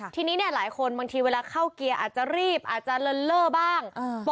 ทีนี้เนี่ยหลายคนบางทีเวลาเข้าเกียร์อาจจะรีบอาจจะเลินเล่อบ้าง